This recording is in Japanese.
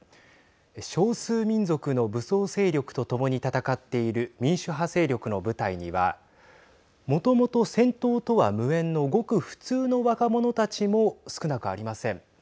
少数民族の武装勢力とともに戦っている民主派勢力の部隊にはもともと、戦闘とは無縁のごく普通の若者たちも少なくありません。